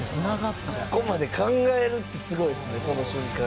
そこまで考えるってすごいですね